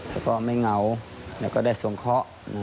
แล้วก็ไม่เหงาแล้วก็ได้สงเคราะห์